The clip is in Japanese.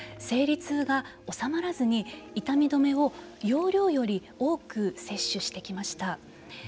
生理痛が治まらずに痛み止めを用量より多く摂取してきました。